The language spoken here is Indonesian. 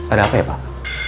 ada apa ya pak